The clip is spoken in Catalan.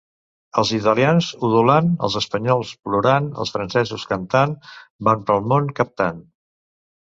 Els italians, udolant, els espanyols, plorant, els francesos, cantant, van pel món captant.